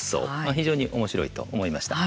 非常におもしろいと思いました。